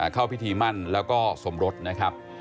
เข้าพิธีมั่นแล้วก็สมรสนะครับ